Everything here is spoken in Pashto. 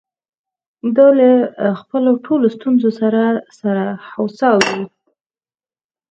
دا له خپلو ټولو ستونزو سره سره هوسا وې.